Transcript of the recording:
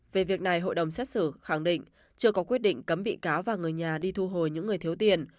về việc này hội đồng xét xử khẳng định chưa có quyết định cấm bị cáo và người nhà đi thu hồi những người thiếu tiền